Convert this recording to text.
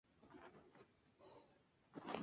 Estudió leyes y recibió el título de abogado.